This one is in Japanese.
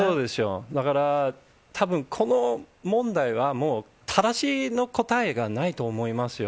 だから、たぶんこの問題は、もう正しいの答えがないと思いますよ。